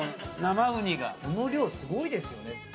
生ウニがこの量すごいですよね